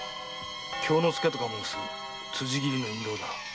京之介とか申す辻斬りの印籠だ。